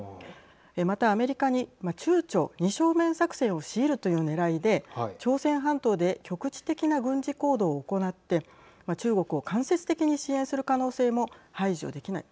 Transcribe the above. また、アメリカに中朝・二正面作戦を強いるというねらいで朝鮮半島で局地的な軍事行動を行って中国を間接的に支援する可能性も排除できない